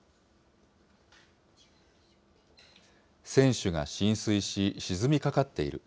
船首が浸水し、沈みかかっている。